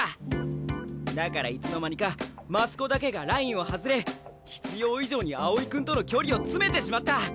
だからいつの間にか増子だけがラインを外れ必要以上に青井君との距離を詰めてしまった。